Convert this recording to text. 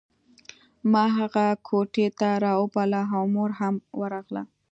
ما هغه کوټې ته راوبلله او مور هم ورغله